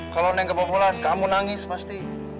kalau neng kebobolan kamu nangis pasti